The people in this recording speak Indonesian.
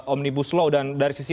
omnibus law dan dari sisi